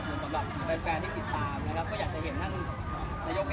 ภูมิดีลาก็เล่นเป็นดองหน้าของธนยก